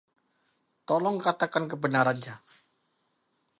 Tolong katakan kebenarannya.